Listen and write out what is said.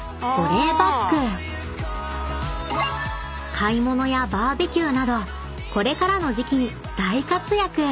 ［買い物やバーベキューなどこれからの時季に大活躍］